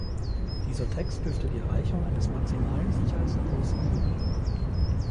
Dieser Text dürfte die Erreichung eines maximalen Sicherheitsniveaus ermöglichen.